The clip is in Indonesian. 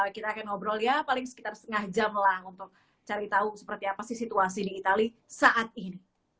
kita akan ngobrol ya paling sekitar setengah jam lah untuk cari tahu seperti apa sih situasi di itali saat ini